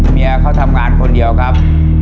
เมียเขาทำงานคนเดียวครับ